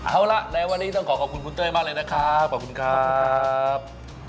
เอาละในวันนี้ต้องขอขอบคุณคุณเต้ยมากเลยนะครับขอบคุณครับ